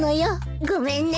ごめんね。